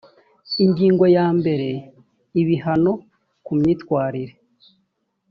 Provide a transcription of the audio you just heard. ingingo ya mbere ibihano kumyitwarire